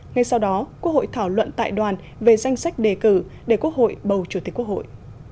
ngay sau đó quốc hội thảo luận tại đoàn về danh sách đề cử để quốc hội bầu chủ tịch quốc hội